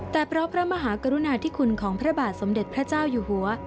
แต่เพราะพระมหากรุณาธิคุณของพระบาทสมเด็จพระเจ้าอยู่หัว